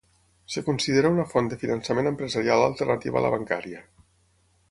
Es considera una font de finançament empresarial alternativa a la bancària.